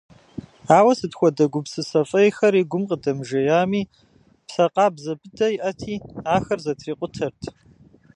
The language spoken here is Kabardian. Ауэ сыт хуэдэ гупсысэ фӏейхэр и гум къыдэмыжеями, псэ къабзэ быдэ иӏэти, ахэр зэтрикъутэрт.